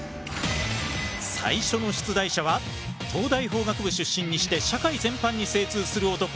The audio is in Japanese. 最初の出題者は東大法学部出身にして社会全般に精通する男